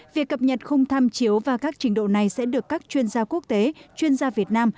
việc cập nhật khung tham chiếu và các trình độ này sẽ được các chuyên gia quốc tế chuyên gia việt nam